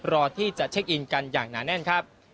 รอที่จะเช็คอินกันอย่างหนาแน่นครับ